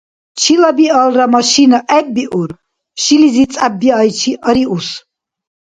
Чила-биалра машина гӀеббиур, шилизи цӀяббиайчи ариус